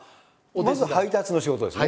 まず配達の仕事ですね。